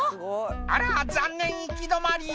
「あら残念行き止まり」